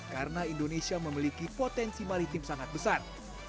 karena indonesia memiliki potensi maritim sangat besar